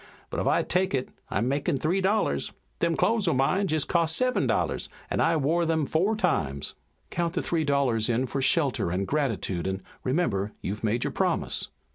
But if I take it I'm makin' three dollars. Them clothes o' mine jest cost seven dollars an' I've wore 'em four times." "Count the three dollars in for shelter and gratitude and remember, you've made your promise."